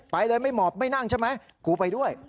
ไปเลยไม่หมอบไม่นั่งใช่ไหมกูไปด้วย